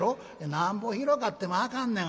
「なんぼ広かってもあかんのやがな。